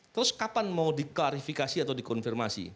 terus kapan mau diklarifikasi atau dikonfirmasi